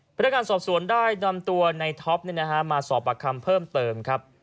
พนักงานสอบสวนได้นำตัวในท็อปมาสอบปากคำเพิ่มเติมครับ